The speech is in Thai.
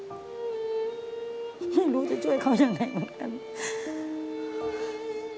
ไม่รู้จะช่วยเขาอย่างไรบางกัน